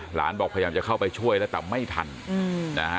หลานบอกพยายามจะเข้าไปช่วยแล้วแต่ไม่ทันนะฮะ